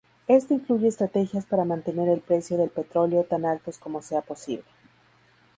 Esto incluye estrategias para mantener el precio del petróleo tan altos como sea posible.